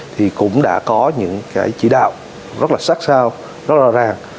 thì cũng đã có những chỉ đạo rất là sắc sao rất là ràng